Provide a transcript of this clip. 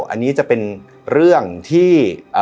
อันนี้จะเป็นเรื่องที่